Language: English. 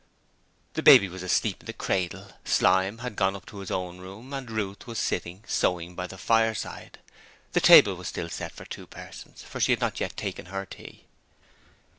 The baby was asleep in the cradle. Slyme had gone up to his own room, and Ruth was sitting sewing by the fireside. The table was still set for two persons, for she had not yet taken her tea.